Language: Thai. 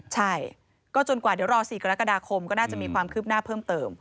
ใช่ก็จนกว่าเดี๋ยวรอ๔กรกฎาคมก็น่าจะมีความคืบหน้าเพิ่มเติม